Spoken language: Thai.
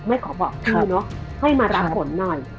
ขอบอกพี่เนอะให้มารับฝนหน่อย